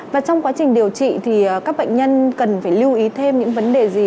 và trong quá trình điều trị thì các bệnh nhân cần phải lưu ý thêm những vấn đề gì